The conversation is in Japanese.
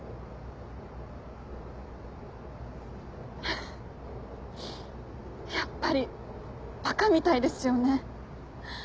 フフッやっぱり馬鹿みたいですよね。